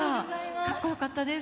かっこよかったです。